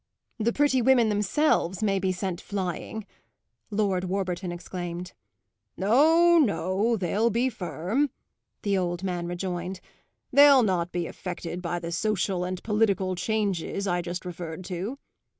"The pretty women themselves may be sent flying!" Lord Warburton exclaimed. "No, no, they'll be firm," the old man rejoined; "they'll not be affected by the social and political changes I just referred to."